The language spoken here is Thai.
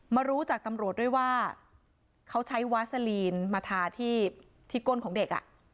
รู้จากตำรวจด้วยว่าเขาใช้วาซาลีนมาทาที่ก้นของเด็ก